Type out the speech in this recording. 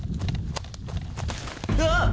「うわっ！」